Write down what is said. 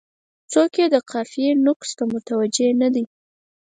څوک یې د قافیې نقص ته متوجه نه دي.